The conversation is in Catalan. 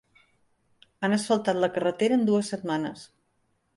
Han asfaltat la carretera en dues setmanes.